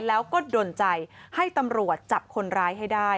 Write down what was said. แล้วก็ดนใจให้ตำรวจจับคนร้ายให้ได้